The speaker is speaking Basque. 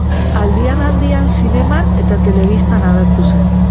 Aldian-aldian zineman eta telebistan agertu zen.